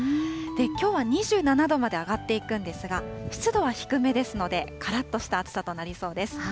きょうは２７度まで上がっていくんですが、湿度は低めですので、からっとした暑さとなりそうです。